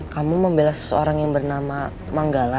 kamu membela seseorang yang bernama manggala